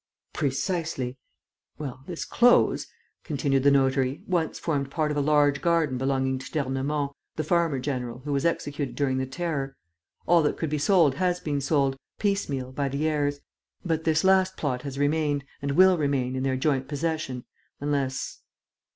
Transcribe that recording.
"Precisely." "Well, this close," continued the notary, "once formed part of a large garden belonging to d'Ernemont, the farmer general, who was executed during the Terror. All that could be sold has been sold, piecemeal, by the heirs. But this last plot has remained and will remain in their joint possession ... unless...."